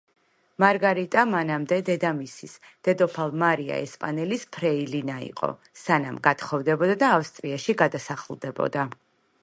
მარგარიტა მანამდე დედამისის, დედოფალ მარია ესპანელის ფრეილინა იყო, სანამ გათხოვდებოდა და ავსტრიაში გადასახლდებოდა.